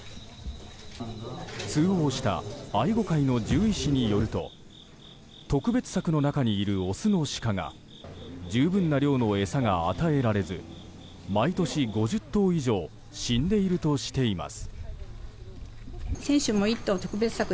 通報した愛護会の獣医師によると特別柵の中にいるオスの鹿が十分な量の餌が与えられず毎年、５０頭以上死んでいるとしています。